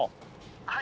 「はい」